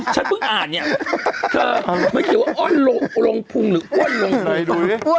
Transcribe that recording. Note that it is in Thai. ฉันเพิ่งอ่านเนี่ยมันเกี่ยวว่าอ้อนลงพุงหรืออ้อนลงพุง